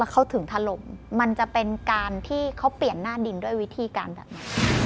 เขาถึงถล่มมันจะเป็นการที่เขาเปลี่ยนหน้าดินด้วยวิธีการแบบนี้